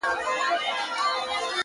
دا څه خبره ده، بس ځان خطا ايستل دي نو؟